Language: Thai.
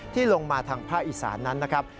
ที่ลงมาทางภาคอีสานนั้นนะครับ